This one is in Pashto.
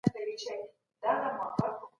افغان کارګران د نړیوالو بشري حقونو ملاتړ نه لري.